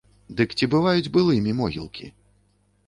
Дык ці бываюць былымі могілкі?